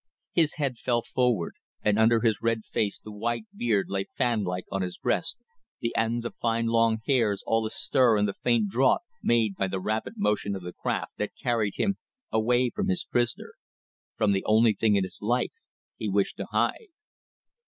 His head fell forward; and under his red face the white beard lay fan like on his breast, the ends of fine long hairs all astir in the faint draught made by the rapid motion of the craft that carried him away from his prisoner from the only thing in his life he wished to hide.